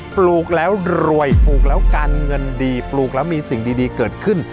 ปลูกแล้วรวยปลูกแล้วการเงินดีปลูกแล้วมีสิ่งดีเกิดขึ้น